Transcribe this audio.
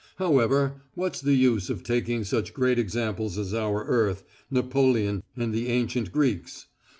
However, what's the use of taking such great examples as our earth, Napoleon, and the ancient Greeks?